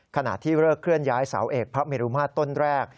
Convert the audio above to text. ขณะที่เลิกเคลื่อนย้ายเสาเอกพระเมรุมาตรต้นแรก